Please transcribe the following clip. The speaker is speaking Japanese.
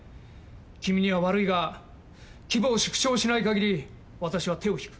君には悪いが規模を縮小しない限りわたしは手を引く。